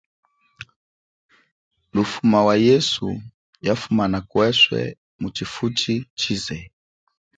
Lufuma wa yesu yafumana kweswe muchifuchichize.